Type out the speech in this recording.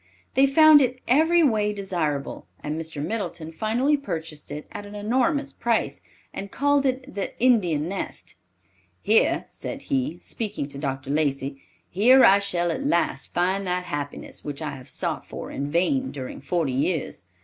They found it every way desirable, and Mr. Middleton finally purchased it at an enormous price, and called it the "Indian Nest." "Here," said he, speaking to Dr. Lacey, "here I shall at last find that happiness which I have sought for in vain during forty years.